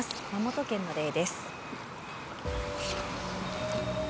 熊本県の例です。